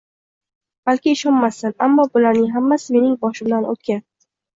balki ishonmassan, Ammo bularning hammasi mening boshimdan o'tgan.